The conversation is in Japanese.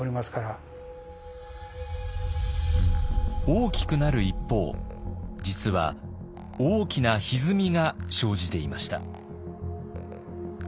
大きくなる一方実は大きなひずみが生じていました。